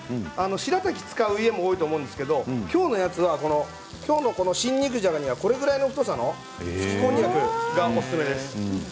しらたきを使う家も多いと思うんですけど今日のシン・肉じゃがにはこれくらいの太さのつきこんにゃくがおすすめです。